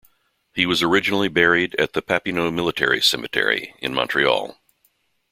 He was originally buried at the Papineau military cemetery in Montreal.